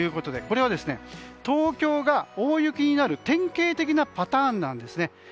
これは、東京が大雪になる典型的なパターンなんですね。